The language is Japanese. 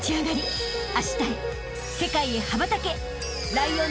世界へ羽ばたけ！］